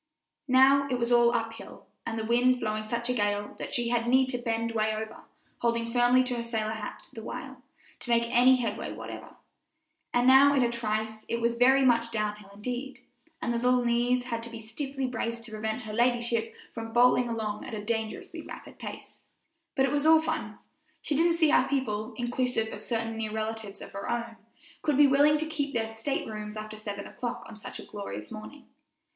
Now it was all up hill, and the wind blowing such a gale that she had need to bend way over, holding firmly to her sailor hat the while, to make any headway whatever; and now in a trice it was very much down hill indeed, and the little knees had to be stiffly braced to prevent her ladyship from bowling along at a dangerously rapid pace. [Illustration: 0029] But it was all fun. She didn't see how people, inclusive of certain near relatives of her own, could be willing to keep their state rooms after seven o'clock on such a glorious morning.